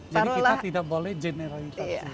jadi kita tidak boleh generalitasi